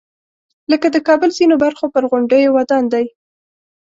لکه د کابل ځینو برخو پر غونډیو ودان دی.